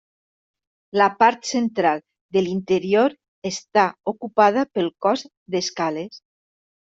La part central de l'interior està ocupada pel cos d'escales.